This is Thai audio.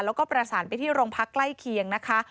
แล้วก็ประสานไปที่โรงพักใกล้เคียงนะคะ